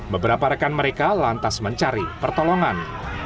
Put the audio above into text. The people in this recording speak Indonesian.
beberapa rekan mereka lantas mencari pertolongan